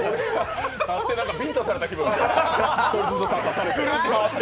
ビンタされた気分、１人ずつ立たされて。